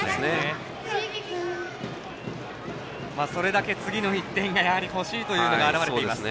それだけ次の１点が欲しいというのが表れています。